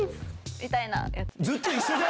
みたいなやつ。